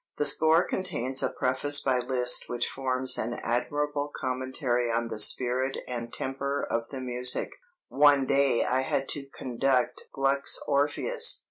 The score contains a preface by Liszt which forms an admirable commentary on the spirit and temper of the music: "One day I had to conduct Gluck's 'Orpheus.'